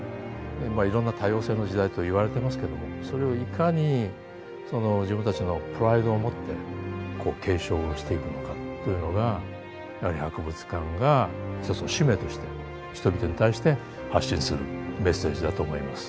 まあいろんな多様性の時代といわれてますけどもそれをいかにその自分たちのプライドをもって継承をしていくのかというのがやはり博物館が一つの使命として人々に対して発信するメッセージだと思います。